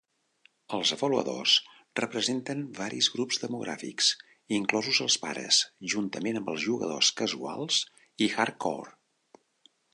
Els avaluadors representen varis grups demogràfics, inclosos els pares, juntament amb els jugadors casuals i "hardcore".